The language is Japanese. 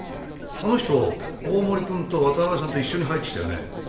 あの人大森君と渡辺さんと一緒に入ってきたよね？